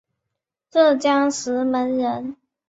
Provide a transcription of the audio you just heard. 浙江石门人。